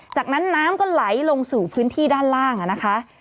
จากนั้นน้ำก็ไหลลงสู่พื้นที่ด้านล่างนะคะ